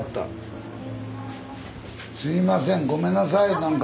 すいませんごめんなさい何か。